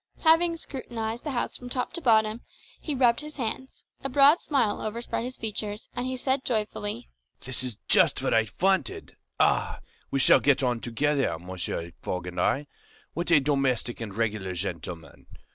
Having scrutinised the house from top to bottom, he rubbed his hands, a broad smile overspread his features, and he said joyfully, "This is just what I wanted! Ah, we shall get on together, Mr. Fogg and I! What a domestic and regular gentleman!